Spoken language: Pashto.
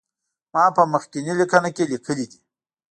ما په مخکینی لیکنه کې لیکلي دي.